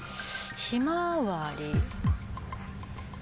ひまわり。